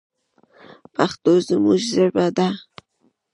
پښتو زموږ ژبه ده